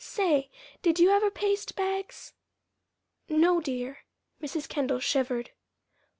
Say, did you ever paste bags?" "No, dear." Mrs. Kendall shivered.